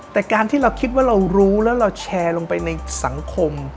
แต่การที่เราคิดว่าเรารู้แล้วเราแชร์ลงไปในสังคม